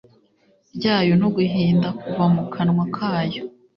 Ryayo no guhinda kuva mu kanwa kayo